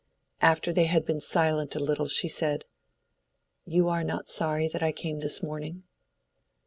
After they had been silent a little, she said— "You are not sorry that I came this morning?"